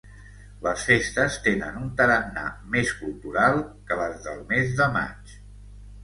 Les festes tenen un tarannà més cultural que les del mes de maig.